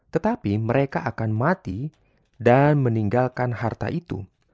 tetapi mereka akan mati dan meninggalkan harta itu